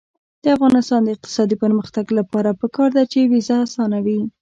د افغانستان د اقتصادي پرمختګ لپاره پکار ده چې ویزه اسانه وي.